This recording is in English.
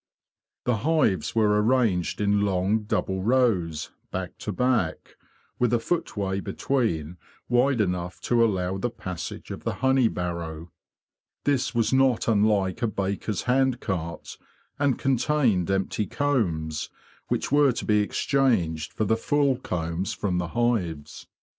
The hives were arranged in long double rows, back to back, with a footway between wide enough to allow the passage of the honey barrow. This was not unlike a baker's hand cart, and contained L , 162 THE BEE MASTER OF WARRILOW empty combs, which were to be exchanged for the full combs from the hives.